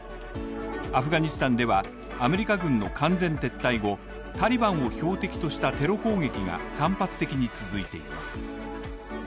アフガニスタンでは、アメリカ軍の完全撤退後、タリバンを標的としたテロ攻撃が散発的に続いています。